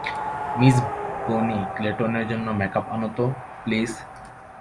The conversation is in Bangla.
মিস বনি ক্লেটনের জন্য মেকআপ আনো তো, প্লিজ।